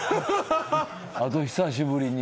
あと久しぶりに。